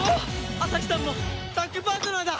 旭さんもタッグパートナーだ！